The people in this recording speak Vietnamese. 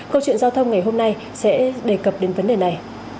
câu chuyện giao thông ngày hôm nay sẽ đề cập đến vấn đề này